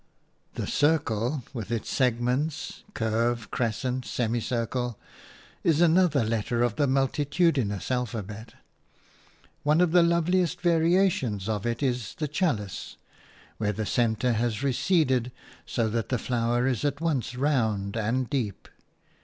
The circle, with its segments – curve, crescent, semicircle – is another letter of the multitudinous alphabet. One of the loveliest variations of it is the chalice, where the centre has receded so that the flower is at once round and deep.